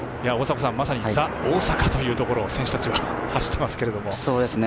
ザ・大阪というところを選手たち、走っていますけど。